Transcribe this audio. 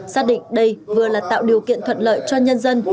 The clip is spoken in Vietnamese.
xác định đây vừa là tạo điều kiện thuận lợi cho nhân dân